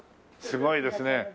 すごいですね。